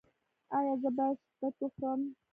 ایا زه باید شبت وخورم؟